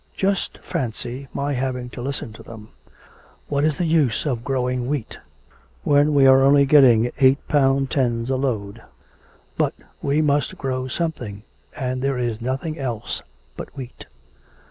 Just fancy my having to listen to them! What is the use of growing wheat when we are only getting eight pounds ten a load? ... But we must grow something, and there is nothing else but wheat.